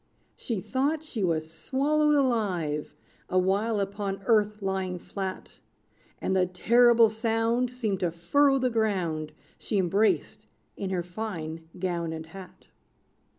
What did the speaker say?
She thought she was swallowed alive, Awhile upon earth lying flat; And the terrible sound Seemed to furrow the ground She embraced in her fine gown and hat.